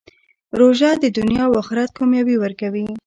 روژه د دنیا او آخرت کامیابي ورکوي.